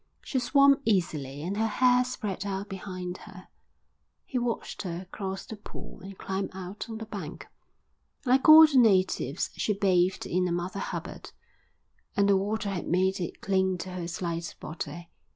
She swam easily and her hair spread out behind her. He watched her cross the pool and climb out on the bank. Like all the natives she bathed in a Mother Hubbard, and the water had made it cling to her slight body.